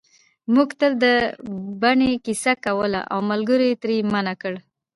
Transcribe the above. موږک تل د بنۍ کیسه کوله او ملګرو یې ترې منع کړ